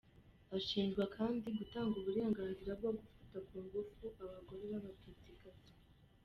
Ashinjwa kandi gutanga uburenganzira bwo gufata ku ngufu abagore b’Abatutsikazi.